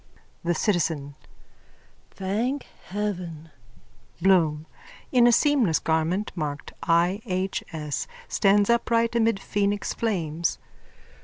_ THE CITIZEN: Thank heaven! BLOOM: _(In a seamless garment marked I. H. S. stands upright amid phoenix flames.)